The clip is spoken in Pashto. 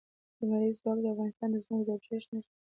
لمریز ځواک د افغانستان د ځمکې د جوړښت نښه ده.